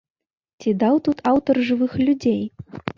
Ці даў тут аўтар жывых людзей?